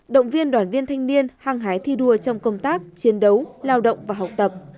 động viên đoàn viên thanh niên hăng hái thi đua trong công tác chiến đấu lao động và học tập